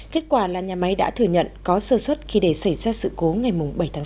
kết quả là nhà máy đã thừa nhận có sơ xuất khi để xảy ra sự cố ngày bảy tháng sáu